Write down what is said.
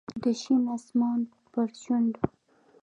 د شین اسمان پر شونډو